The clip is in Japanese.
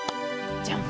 じゃん。